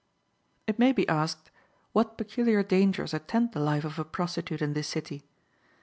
It may be asked, What peculiar dangers attend the life of a prostitute in this city?